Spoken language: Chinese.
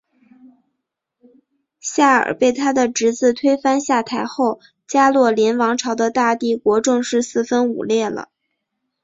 夏尔被他的侄子推翻下台后加洛林王朝的大帝国正式四分五裂了。